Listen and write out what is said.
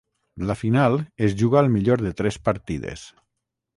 La final es juga al millor de tres partides.